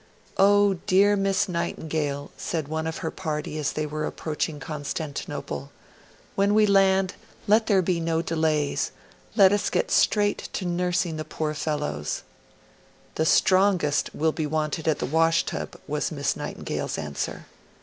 'Oh, dear Miss Nightingale,' said one of her party as they were approaching Constantinople, 'when we land, let there be no delays, let us get straight to nursing the poor fellows!' 'The strongest will be wanted at the wash tub,' was Miss Nightingale's answer.